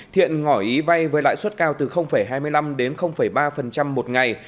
thiện ngỏ ý vay với lãi suất cao từ hai mươi năm đến ba một ngày